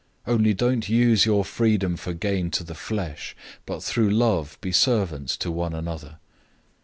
Only don't use your freedom for gain to the flesh, but through love be servants to one another.